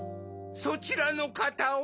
そちらのかたは？